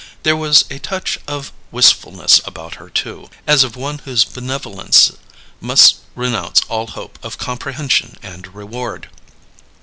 There was a touch of wistfulness about her, too; as of one whose benevolence must renounce all hope of comprehension and reward.